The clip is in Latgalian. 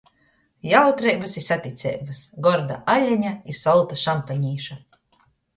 Jautreibys i saticeibys! Gorda aleņa i solta šampanīša!